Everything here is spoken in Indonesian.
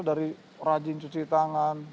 dari rajin cuci tangan